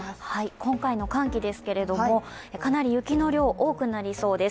今回の寒気ですけれどもかなり雪の量、多くなりそうです。